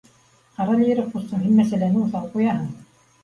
— Ҡарәле, Ирек ҡустым, һин мәсьәләне уҫал ҡуяһың